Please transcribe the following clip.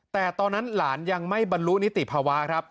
แต่ตอนนั้นหลานยังไม่บรรลุนิติภาวะครับ